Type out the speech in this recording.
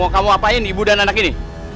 mau kamu ngapain ibu dan anak ini